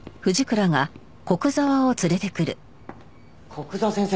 古久沢先生。